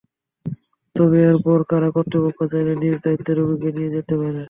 তবে এরপরও কারা কর্তৃপক্ষ চাইলে নিজ দায়িত্বে রোগীকে নিয়ে যেতে পারে।